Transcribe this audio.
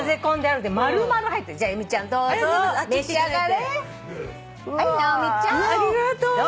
ありがとう。